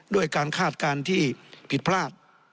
ด้วยการคาดการณ์ที่ผิดพลาด